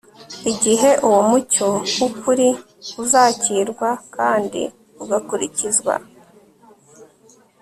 igihe uwo mucyo w'ukuri uzakirwa kandi ugakurikizwa